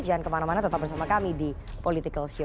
jangan kemana mana tetap bersama kami di political show